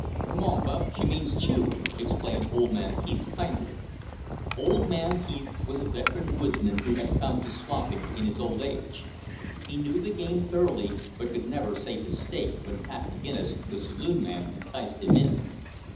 "Come on, Bub! she means chew!" explained old man Heath kindly. Old man Heath was a veteran woodsman who had come to swamping in his old age. He knew the game thoroughly, but could never save his "stake" when Pat McGinnis, the saloon man, enticed him in.